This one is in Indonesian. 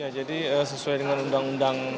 jadi sesuai dengan undang undang